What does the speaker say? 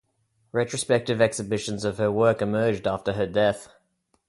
Retrospective exhibitions of her work emerged after her death.